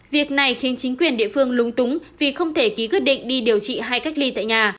việc này khiến chính quyền địa phương lúng túng vì không thể ký quyết định đi điều trị hay cách ly tại nhà